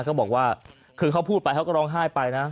เขาบอกว่าคือเขาพูดไปเขาก็ร้องไห้ไปนะ